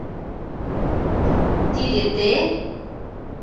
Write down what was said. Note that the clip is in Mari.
— Тиде те?..